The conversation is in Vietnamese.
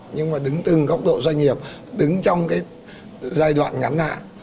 nhưng mà đứng từng góc độ doanh nghiệp đứng trong cái giai đoạn ngắn hạn